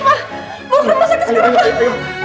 mama bawa ke rumah sakit